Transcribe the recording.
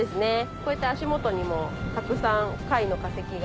こういった足元にもたくさん貝の化石が。